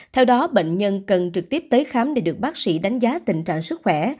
theo đó bệnh nhân cần trực tiếp tới khám để được bác sĩ đánh giá tình trạng sức khỏe